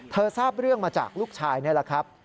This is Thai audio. ทราบเรื่องมาจากลูกชายนี่แหละครับ